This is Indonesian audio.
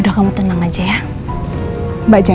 dokter tenang ibu